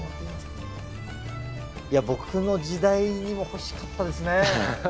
いや僕の時代にも欲しかったですね。